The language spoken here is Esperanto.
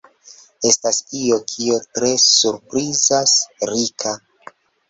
Estas io, kio tre surprizas Rika.